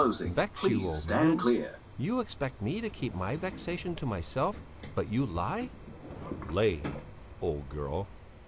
"Vex you, old man! You expect me to keep my vexations to myself; but you lie " "Lay, old girl!"